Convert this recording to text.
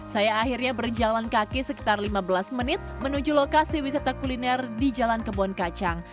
saya akhirnya berjalan kaki sekitar lima belas menit menuju lokasi wisata kuliner di jalan kebon kacang